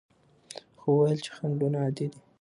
هغه وویل چې خنډونه عادي دي.